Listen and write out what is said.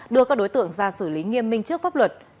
đưa các đối tượng ra xử lý nghiêm minh trước pháp luật